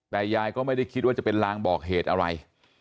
แต่ยายก็ไม่ได้คิดว่าจะเป็นลางบอกเหตุอะไร